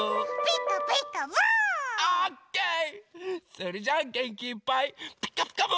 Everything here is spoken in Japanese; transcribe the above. それじゃあげんきいっぱい「ピカピカブ！」